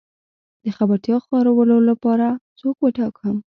د خبرتيا خورولو لپاره څوک وټاکم؟